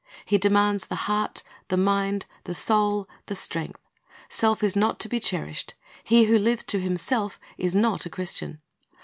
He demands the heart, the mind, the soul, the strength. Self is not to be cherished. He who lives to himself is not a Christian.